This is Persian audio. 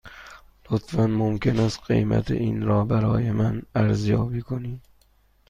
لطفاً ممکن است قیمت این را برای من ارزیابی کنید؟